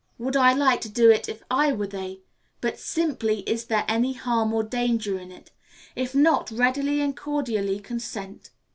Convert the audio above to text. Would I like to do it if I were they? but simply, Is there any harm or danger in it? If not, readily and cordially consent.